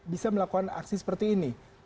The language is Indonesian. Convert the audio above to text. bisa melakukan aksi seperti ini